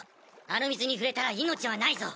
あの水に触れたら命はないぞ！